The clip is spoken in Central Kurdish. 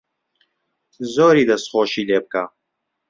زۆری دەسخۆشی لێ بکە